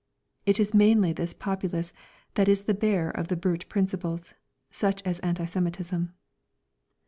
It is mainly this populace that is the bearer of the brute principles, such as anti Semitism.